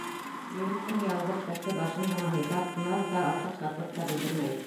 Егеттең ялбыр сәсле башын ғына һыйпап, наҙ ҙа, артыҡ шатлыҡ та белдермәй: